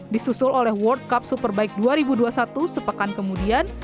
disusul oleh world cup superbike dua ribu dua puluh satu sepekan kemudian